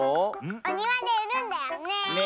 おにわでうるんだよね！ね！